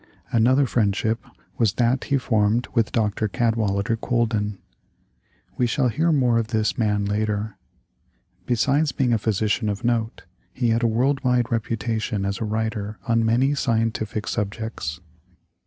Another friendship was that he formed with Dr. Cadwallader Colden. We shall hear more of this man later. Besides being a physician of note, he had a world wide reputation as a writer on many scientific subjects.